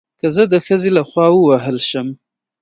که زه د ښځې له خوا ووهل شم